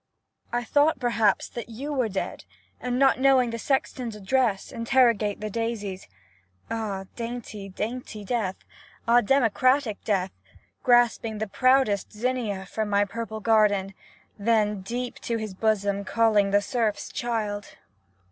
I thought perhaps that you were dead, and not know ing the sexton's address, interrogate the daisies. Ah ! dainty — dainty Death ! Ah ! democratic Death ! Grasping the proudest zinnia from my purple garden, — then deep to his bosom calling the serf's child